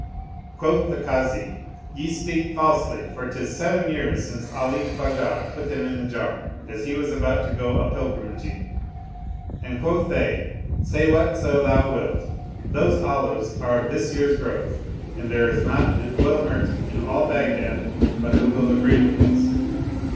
Quoth the Kazi, "Ye speak falsely, for 'tis seven years since Ali Khwajah put them in the jar as he was about to go a pilgrimaging"; and quoth they, "Say whatso thou wilt, those olives are of this year's growth, and there is not an oil merchant in all Baghdad but who will agree with us."